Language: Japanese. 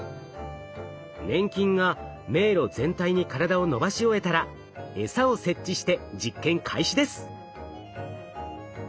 粘菌が迷路全体に体を伸ばし終えたらえさを設置して実験開始です。